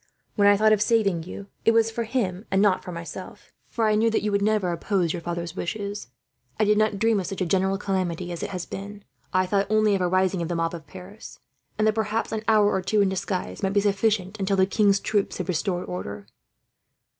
When I thought of saving you, it was for him and not for myself; for I knew that you would never oppose your father's wishes. I did not dream of such a general calamity as it has been. I thought only of a rising of the mob of Paris, and that perhaps an hour or two in disguise might be sufficient, until the king's troops restored order."